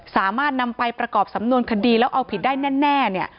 สามารถนำไปประกอบสำนวนคดีแล้วเอาผิดได้แน่เนี่ย